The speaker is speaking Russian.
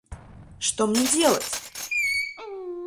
Что мне делать?